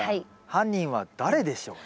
犯人は誰でしょう？